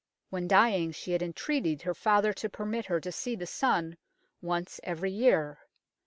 When dying she had entreated her father to permit her to see the sun once every year.